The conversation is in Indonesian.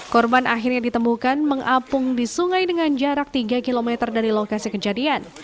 korban akhirnya ditemukan mengapung di sungai dengan jarak tiga km dari lokasi kejadian